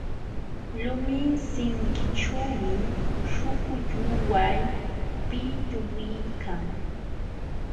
Lumi sinkićhuumi śhukulluway pitwiykan.